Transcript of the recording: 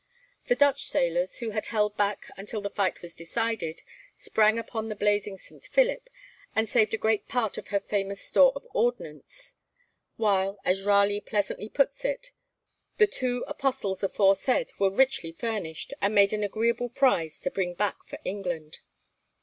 The Dutch sailors, who held back until the fight was decided, sprang upon the blazing 'St. Philip,' and saved a great part of her famous store of ordnance; while, as Raleigh pleasantly puts it, 'the two Apostles aforesaid' were richly furnished, and made an agreeable prize to bring back to England.